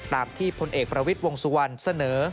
ตามที่พลเอกประวิทย์วงสุวรรณเสนอ